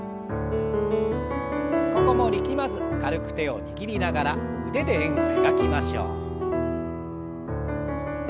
ここも力まず軽く手を握りながら腕で円を描きましょう。